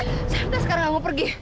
sampai sekarang aku mau pergi